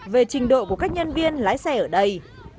về trình độ của các nhân viên lái xe ở đây